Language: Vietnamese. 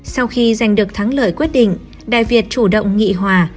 sau khi giành được thắng lợi quyết định đại việt chủ động nghị hòa